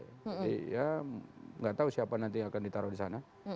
jadi ya nggak tahu siapa nanti akan ditaruh di sana